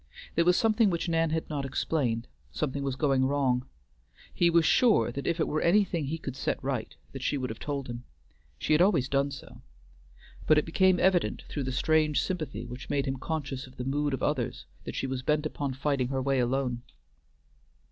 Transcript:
There was something which Nan had not explained; something was going wrong. He was sure that if it were anything he could set right, that she would have told him. She had always done so; but it became evident through the strange sympathy which made him conscious of the mood of others that she was bent upon fighting her way alone.